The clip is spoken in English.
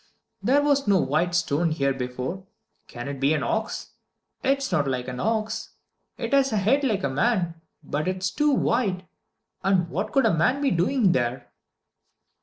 "There was no white stone here before. Can it be an ox? It's not like an ox. It has a head like a man, but it's too white; and what could a man be doing there?"